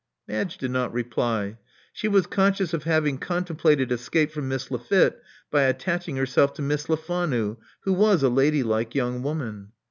Madge did not reply. She was conscious of having contemplated escape from Miss Lafitte by attaching herself to Miss Lefanu, who was a ladylike young woman.